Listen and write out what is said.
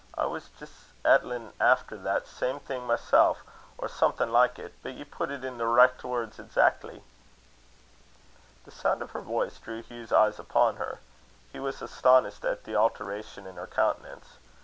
I was jist ettlin' efter that same thing mysel, or something like it, but ye put it in the richt words exackly." The sound of her voice drew Hugh's eyes upon her: he was astonished at the alteration in her countenance.